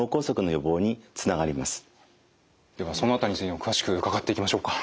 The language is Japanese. ではその辺りについても詳しく伺っていきましょうか。